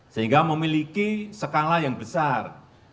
sehingga memiliki skala yang besar